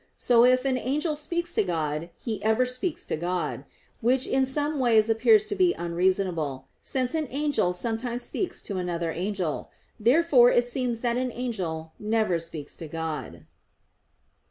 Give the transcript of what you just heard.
So if an angel speaks to God, he ever speaks to God; which in some ways appears to be unreasonable, since an angel sometimes speaks to another angel. Therefore it seems that an angel never speaks to God.